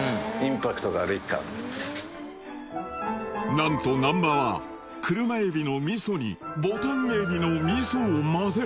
なんと難波は車海老の味噌にぼたん海老の味噌を混ぜる